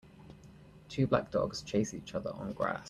Two black dogs chase each other on grass.